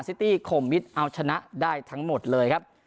ซิตี้คมมิตรเอาชนะได้ทั้งหมดเลยครับ